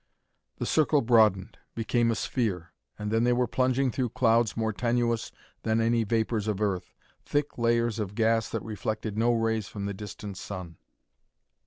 The circle broadened; became a sphere; and then they were plunging through clouds more tenuous than any vapors of Earth thick layers of gas that reflected no rays from the distant sun.